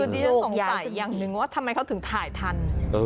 ดิฉันสงสัยอย่างหนึ่งว่าทำไมเขาถึงถ่ายทัน